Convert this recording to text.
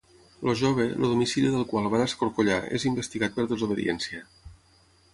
El jove, el domicili del qual van escorcollar, és investigat per desobediència.